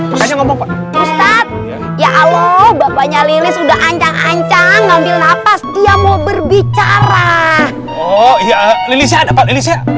ustadz ya alo bapaknya lilis udah ancang ancang ngambil nafas dia mau berbicara oh iya lilisnya